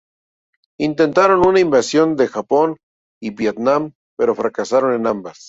Intentaron una invasión de Japón y Vietnam, pero fracasaron en ambas.